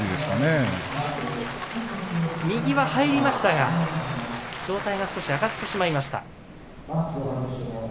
右は入りましたが上体が少し上がってしまいました。